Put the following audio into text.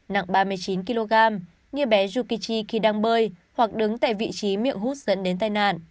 nặng ba mươi chín kg nghi bé yukichi khi đang bơi hoặc đứng tại vị trí miệng hút dẫn đến tai nạn